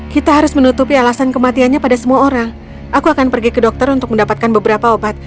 kita harus menutupi alasan kematiannya pada semua orang aku akan pergi ke dokter untuk mendapatkan beberapa obat